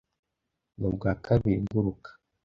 Nubwa kabiri nguruka.